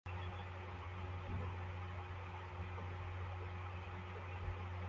Hano hari imbwa ebyiri zikina